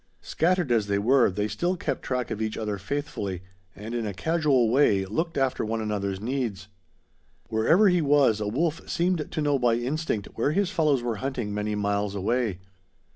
Scattered as they were, they still kept track of each other faithfully, and in a casual way looked after one another's needs. Wherever he was, a wolf seemed to know by instinct where his fellows were hunting many miles away.